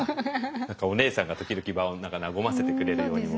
何かお姉さんが時々場を和ませてくれるようにも。